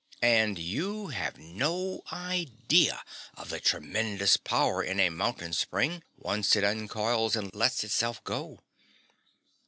And you have no idea of the tremendous power in a mountain spring once it uncoils and lets itself go.